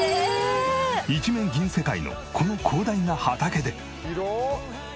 一面銀世界のこの広大な畑で。